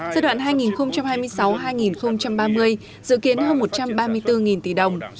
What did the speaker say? giai đoạn hai nghìn hai mươi sáu hai nghìn ba mươi dự kiến hơn một trăm ba mươi bốn tỷ đồng